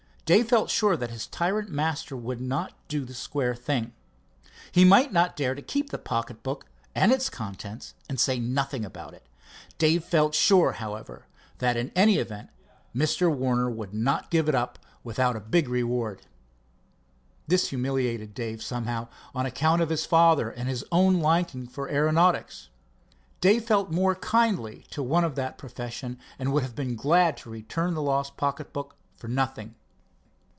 Dave felt sure that his tyrant master would not do the square thing. He might not dare to keep the pocket book and its contents and say nothing about it. Dave felt sure, however, that in any event Mr. Warner would not give it up without a big reward. This humiliated Dave, somehow, on account of his father and his own liking for aeronautics. Dave felt more than kindly to one of that profession, and would have been glad to return the lost pocket book for nothing.